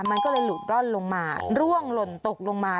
มันก็เลยหลุดร่อนลงมาร่วงหล่นตกลงมา